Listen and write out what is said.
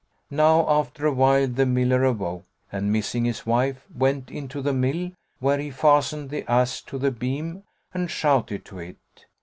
Now after a while the miller awoke and, missing his wife, went into the mill, where he fastened the ass to the beam and shouted to it.